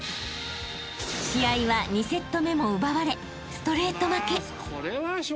［試合は２セット目も奪われストレート負け］